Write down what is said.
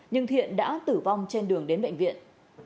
nhưng thiện đã tử vong trên đường đến bệnh viện